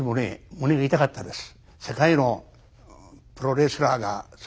胸が痛かったです。